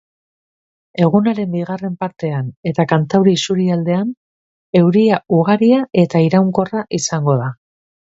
Egunaren bigarren partean eta kantauri isurialdean euria ugaria eta iraunkorra izango da.